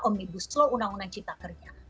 omnibus law undang undang cipta kerja